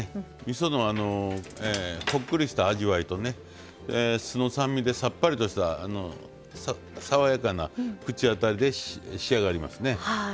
みそのこっくりした味わいとね酢の酸味でさっぱりとした爽やかな口当たりで仕上がりますね。